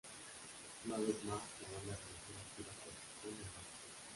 Una vez más, la banda realizó una gira por Japón y Europa.